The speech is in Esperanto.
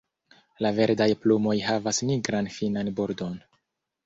La verdaj plumoj havas nigran finan bordon.